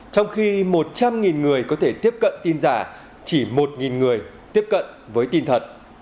trong khi một trăm linh người có thể tiếp cận tin giả chỉ một người tiếp cận với tin thật